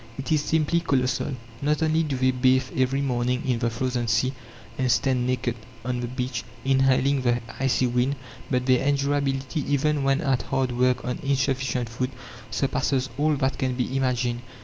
It is simply colossal. Not only do they bathe every morning in the frozen sea, and stand naked on the beach, inhaling the icy wind, but their endurability, even when at hard work on insufficient food, surpasses all that can be imagined.